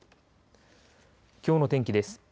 きょうの天気です。